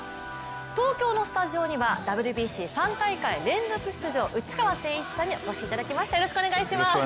東京のスタジオにはＷＢＣ、３大会連続出場、内川聖一さんにお越しいただきました。